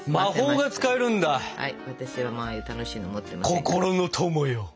心の友よ！